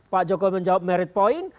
pak jokowi menjawab merit point